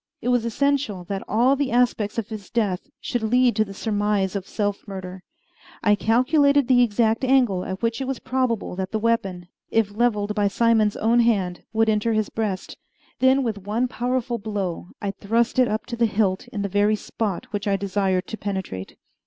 It was essential that all the aspects of his death should lead to the surmise of self murder. I calculated the exact angle at which it was probable that the weapon, if leveled by Simon's own hand, would enter his breast; then with one powerful blow I thrust it up to the hilt in the very spot which I desired to penetrate.